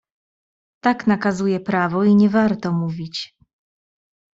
"Tak nakazuje prawo i nie warto mówić."